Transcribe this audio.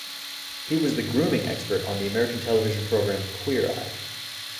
He was the grooming expert on the American television program "Queer Eye".